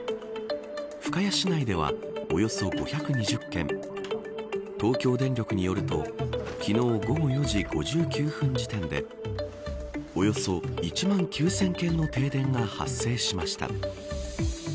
深谷市内ではおよそ５２０軒東京電力によると昨日午後４時５９分時点でおよそ１万９０００軒の停電が発生しました。